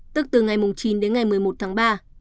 tức từ ngày chín đến ngày một mươi một tháng ba